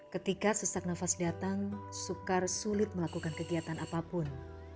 ketika sesak nafas datang sukar sulit melakukan kegiatan apapun